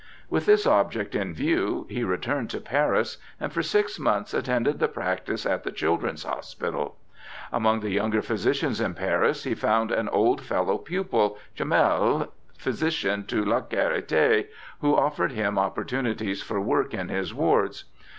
With this object in view he returned to Paris, and for six months attended the practice at the Children's Hos pital. Among the younger physicians in Paris he found an old fellow pupil, Chomel, physician to La Charite, who offered him opportunities for work in his wards.